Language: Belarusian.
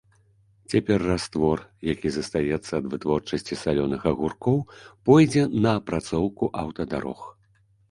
Цяпер раствор, які застаецца ад вытворчасці салёных агуркоў, пойдзе на апрацоўку аўтадарог.